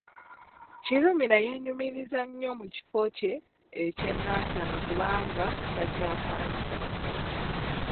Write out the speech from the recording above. Kirumira yeenyumiriza nnyo mu kifo kye eky'e Nansana kubanga takyapangisa.